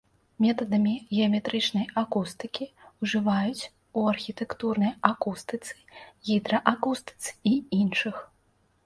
Метадамі геаметрычнай акустыкі ўжываюць у архітэктурнай акустыцы, гідраакустыцы і іншых.